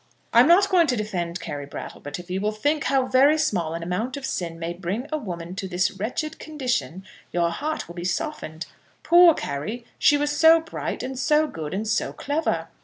"I'm not going to defend Carry Brattle; but if you will think how very small an amount of sin may bring a woman to this wretched condition, your heart will be softened. Poor Carry; she was so bright, and so good and so clever!"